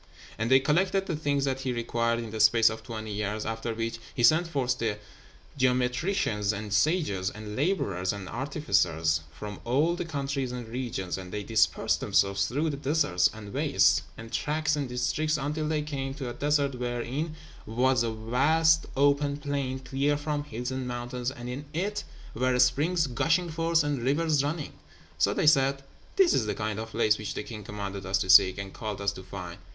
And they collected the things that he required in the space of twenty years; after which he sent forth the geometricians and sages, and labourers and artificers, from all the countries and regions, and they dispersed themselves through the deserts and wastes, and tracts and districts, until they came to a desert wherein was a vast open plain, clear from hills and mountains, and in it were springs gushing forth, and rivers running. So they said, "This is the kind of place which the king commanded us to seek, and called us to find."